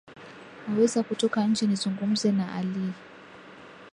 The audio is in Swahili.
Waweza kutoka nje nizungumze na Ali